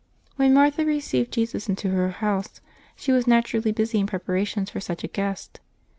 — When Martha received Jesus into her house, she was naturally busy in preparations for such a Guest.